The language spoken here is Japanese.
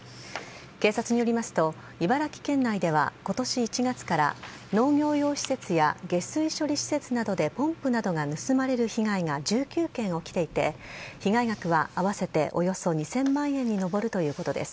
警察によりますと茨城県内では今年１月から農業用施設や下水処理施設などでポンプなどが盗まれる被害が１９件起きていて被害額は合わせておよそ２０００万円に上るということです。